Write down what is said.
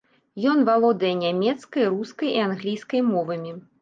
Ён валодае нямецкай, рускай і англійскай мовамі.